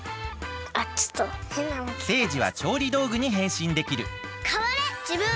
セージはちょうりどうぐにへんしんできるかわれじぶん！